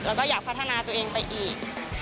แล้วก็อยากพัฒนาตัวเองไปอีก